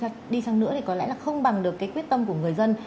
mẽ bao nhiêu đi sang nữa thì có lẽ là không bằng được cái quyết tâm của người dân